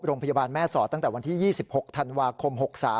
โรงพยาบาลแม่สอดตั้งแต่วันที่๒๖ธันวาคม๖๓